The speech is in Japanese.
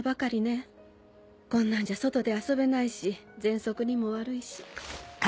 こんなんじゃ外で遊べないしぜんそくにも悪いし。